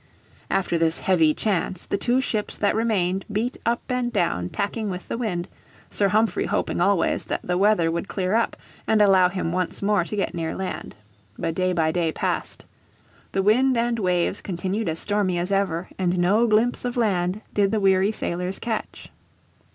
After this "heavy chance" the two ships that remained beat up and down tacking with the wind, Sir Humphrey hoping always that the weather would clear up and allow him once more to get near land. But day by day passed. The wind and waves continued as stormy as ever, and no glimpse of land did the weary sailors catch.